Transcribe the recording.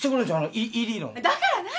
だから何！